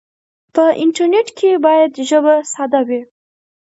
په انټرنیټ کې باید ژبه ساده وي.